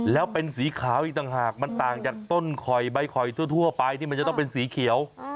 แล้วเป็นสีขาวอีกต่างหากมันต่างจากต้นข่อยใบข่อยทั่วไปที่มันจะต้องเป็นสีเขียว